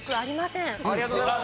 ありがとうございます。